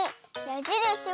やじるし？